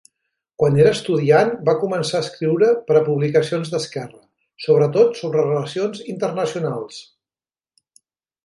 Quan era estudiant, va començar a escriure per a publicacions d'esquerra, sobretot sobre relacions internacionals.